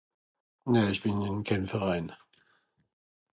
nä ìsch bìn ìn kehn verain